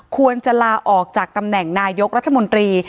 ควรจะลาออกจากตำแหน่งนายกรัฐมนตรี